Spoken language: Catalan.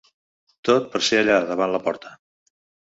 Tot per ser allà davant la porta.